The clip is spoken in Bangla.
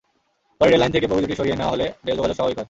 পরে রেললাইন থেকে বগি দুটি সরিয়ে নেওয়া হলে রেল যোগাযোগ স্বাভাবিক হয়।